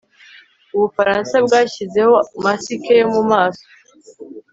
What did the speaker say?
ubufaransa bwashyizeho masike yo mu maso